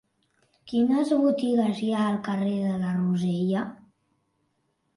Quines botigues hi ha al carrer de la Rosella?